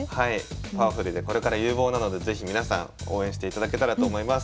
パワフルでこれから有望なので是非皆さん応援していただけたらと思います。